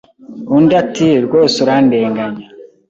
Undi ati rwose urandenganya